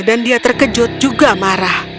dan dia terkejut juga marah